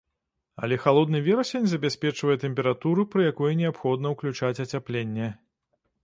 Але халодны верасень забяспечвае тэмпературу, пры якой неабходна ўключаць ацяпленне.